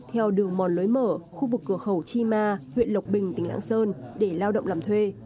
theo đường mòn lối mở khu vực cửa khẩu chi ma huyện lộc bình tỉnh lạng sơn để lao động làm thuê